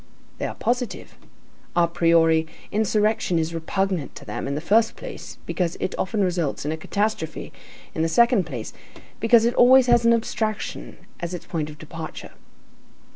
They are positive. A priori, insurrection is repugnant to them, in the first place, because it often results in a catastrophe, in the second place, because it always has an abstraction as its point of departure.